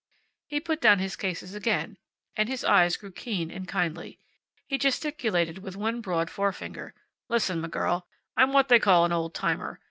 He put down his cases again, and his eyes grew keen and kindly. He gesticulated with one broad forefinger. "Listen, m' girl. I'm what they call an old timer.